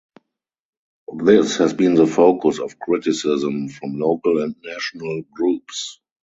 This has been the focus of criticism from local and national groups.